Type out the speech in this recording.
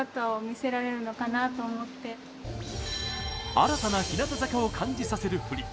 新たな日向坂を感じさせる振り。